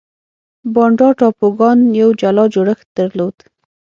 بانډا ټاپوګان یو جلا جوړښت درلود.